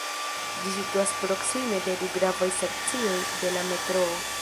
Ĝi situas proksime de du gravaj stacioj de la metroo.